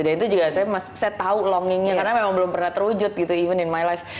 dan itu juga saya tau longingnya karena memang belum pernah terwujud gitu even in my life